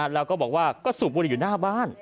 แล้วก็บอกว่าก็สูบบุหรี่อยู่หน้าบ้าน